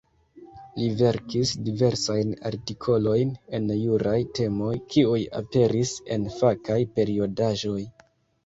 Li verkis diversajn artikolojn en juraj temoj, kiuj aperis en fakaj periodaĵoj.